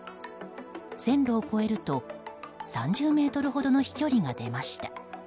線路を越えると３０ｍほどの飛距離が出ました。